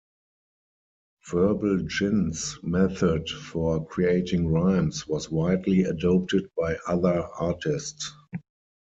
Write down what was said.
Verbal Jint's method for creating rhymes was widely adopted by other artists.